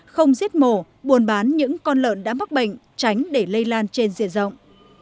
không giết mổ buồn bán những con lợn đã mắc bệnh tránh để lây lan trên diện rộng